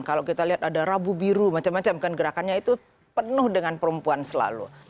kalau kita lihat ada rabu biru macam macam kan gerakannya itu penuh dengan perempuan selalu